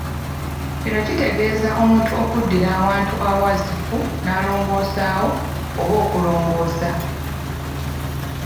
Kino kitegeeaza omuntu okuddira awantu awazifu n'alongoosaawo, oba okulongoosa.